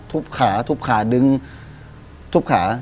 ขาทุบขาดึงทุบขา